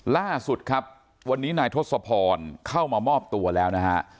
ล่าสุดครับวันนี้นายทศพรเข้ามามอบตัวแล้วนะฮะ